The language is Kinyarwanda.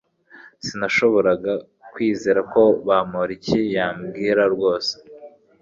Sinashoboraga kwizera ko Bamoriki yambwira rwose